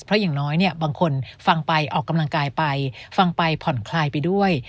เพราะอย่างน้อยเนี่ยบางคนฟังไปออกกำลังกายไปฟังไปผ่อนคลายไปด้วย